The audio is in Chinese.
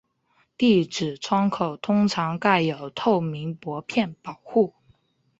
地址窗口通常盖有透明薄片保护。